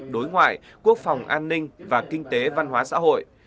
đối ngoại quốc phòng an ninh và kinh tế văn hóa xã hội